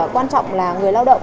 quan trọng là người lao động